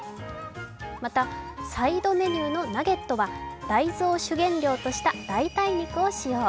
また、サイドメニューのナゲットは大豆を主原料とした代替肉を使用。